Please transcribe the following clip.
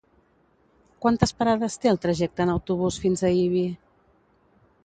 Quantes parades té el trajecte en autobús fins a Ibi?